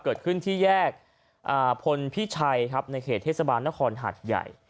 เกิดขึ้นที่แยกพลพิชัยครับในเขตเทศบาลนครหัดใหญ่